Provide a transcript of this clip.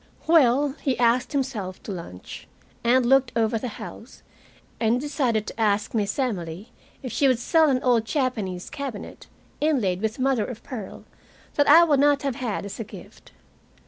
Well, he asked himself to lunch, and looked over the house, and decided to ask Miss Emily if she would sell an old Japanese cabinet inlaid with mother of pearl that I would not have had as a gift.